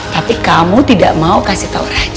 tapi kamu tidak mau kasih tau raja